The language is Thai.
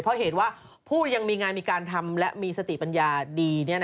เพราะเหตุว่าผู้ยังมีงานมีการทำและมีสติปัญญาดี